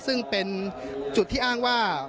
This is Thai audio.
ซึ่งเป็นจุดที่อ้างว่า